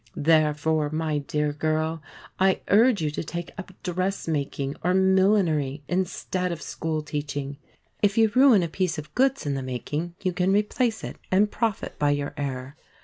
Therefore, my dear girl, I urge you to take up dressmaking or millinery instead of school teaching. If you ruin a piece of goods in the making, you can replace it and profit by your error.